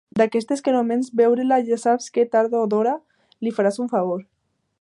D'aquelles que només veure-la ja saps que, tard o d'hora, li faràs un favor.